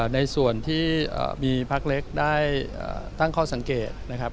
ในส่วนที่มีพักเล็กได้ตั้งข้อสังเกตนะครับ